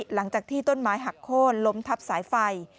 หลังจากที่ต้นไม้หักโค้นล้มทับสายไฟ